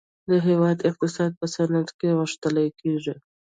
د هیواد اقتصاد په صنعت سره غښتلی کیږي